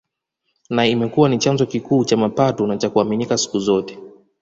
Na imekuwa ni chanzo kikuu cha mapato na cha kuaminika siku zote